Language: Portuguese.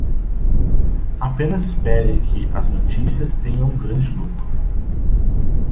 Apenas espere que as notícias tenham um grande lucro.